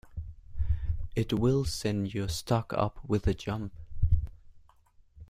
It will send your stock up with a jump.